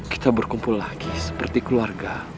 kita berkumpul lagi seperti keluarga